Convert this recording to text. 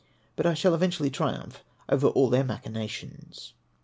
But I shall eventually triumph over all their machinations.